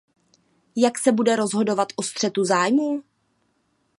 Jak se bude rozhodovat o střetu zájmů?